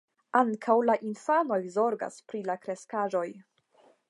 Ankaŭ la infanoj zorgas pri la kreskaĵoj.